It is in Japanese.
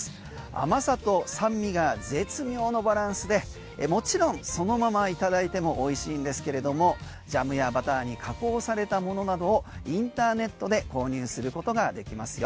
甘さと酸味が絶妙のバランスでもちろんそのままいただいても美味しいんですけれどもジャムやバターに加工されたものなどをインターネットで購入することができますよ。